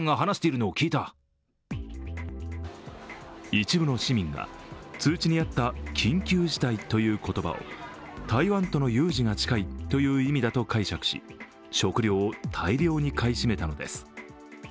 一部の市民が通知にあった「緊急事態」という言葉を台湾との有事が近いという意味だと解釈し、食料を大量に買い占めたのです。